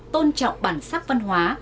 tôn trọng bản sắc văn hóa